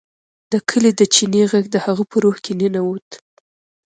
د کلي د چینې غږ د هغه په روح کې ننوت